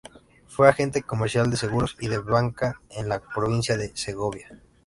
Fue agente comercial, de seguros y de banca en la provincia de Segovia.